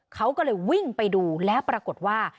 เขาก็เลยวิ่งไปดูแล้วปรากฏว่า